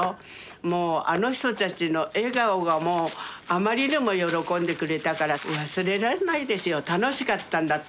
もうあの人たちの笑顔がもうあまりにも喜んでくれたから忘れられないですよ楽しかったんだって。